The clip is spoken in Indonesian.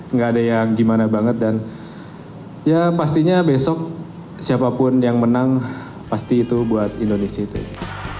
nggak ada yang gimana banget dan ya pastinya besok siapapun yang menang pasti itu buat indonesia itu aja